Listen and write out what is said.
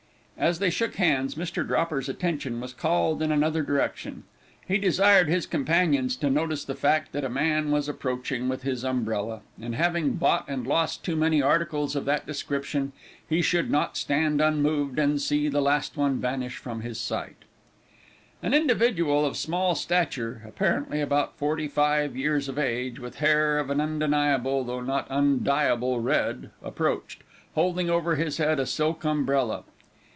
As they shook hands, Mr. Dropper's attention was called in another direction. He desired his companions to notice the fact that a man was approaching with his umbrella, and having bought and lost too many articles of that description, he should not stand unmoved, and see the last one vanish from his sight. An individual of small stature, apparently about forty five years of age, with hair of an undeniable, though not an undyeable red approached, holding over his head a silk umbrella.